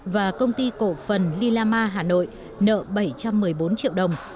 và công ty cổ phần lilama hà nội nợ bảy trăm một mươi bốn triệu đồng